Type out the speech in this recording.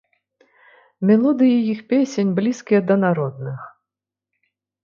Мелодыі іх песень блізкія да народных.